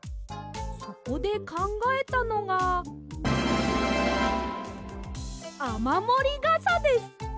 そこでかんがえたのが「あまもりがさ」です！